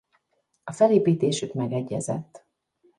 A felépítésük megegyezett.